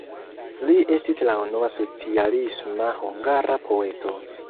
Li estis la unua socialisma hungara poeto.